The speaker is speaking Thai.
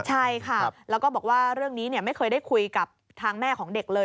ใช่ค่ะแล้วก็บอกว่าเรื่องนี้ไม่เคยได้คุยกับทางแม่ของเด็กเลย